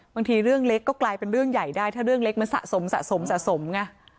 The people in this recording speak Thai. บางทีเรื่องเล็กก็กลายเป็นเรื่องใหญ่ได้ถ้าเรื่องเล็กมันสะสมสะสมสะสมไง